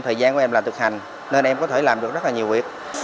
bảy mươi thời gian của em là thực hành nên em có thể làm được rất là nhiều việc